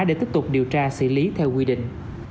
để tiếp tục điều tra xử lý theo quy định